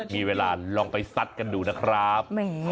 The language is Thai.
มีเวลาลองไปซัดกันดูนะครับ